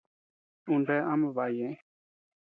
Un bea ama baʼa ñeʼë.